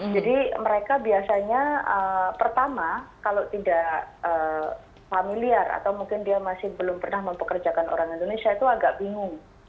jadi mereka biasanya pertama kalau tidak familiar atau mungkin dia masih belum pernah mempekerjakan orang indonesia itu agak bingung